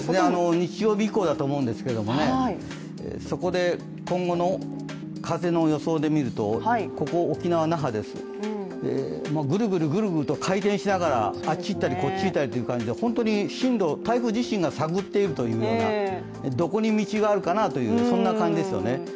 日曜日以降だと思うんですけれどもね、そこで今後の風の予想で見ると、ここ、沖縄・那覇です、ぐるぐるぐるぐると回転しながらあっちいったりこっちいったりといった感じで進路を台風自身が探っているようなどこに道があるのかなみたいなそんな感じですよね。